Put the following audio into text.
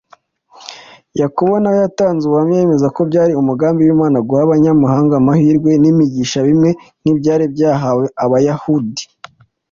Yakobo nawe yatanze ubuhamya yemeza ko byari umugambi w’Imana guha Abanyamahanga amahirwe n’imigisha bimwe nk’ibyari byarahawe Abayahudi.